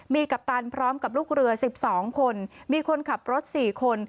มีกัปตันพร้อมกับลูกเรือ๑๒คนมีคนขับรถ๔คน